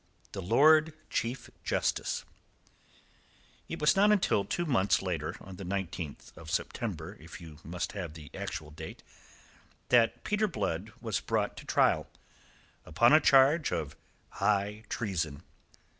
THE LORD CHIEF JUSTICE It was not until two months later on the 19th of September, if you must have the actual date that Peter Blood was brought to trial, upon a charge of high treason.